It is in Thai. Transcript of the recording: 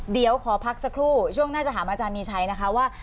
เดี๋ยวขอพักสักครู่ช่วงหน้าจะถามอาจารย์มีชัยนะคะว่า